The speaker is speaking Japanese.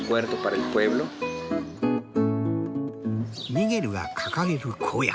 ミゲルが掲げる公約。